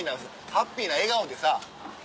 ハッピーな笑顔でさ。